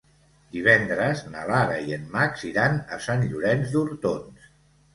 Divendres na Lara i en Max iran a Sant Llorenç d'Hortons.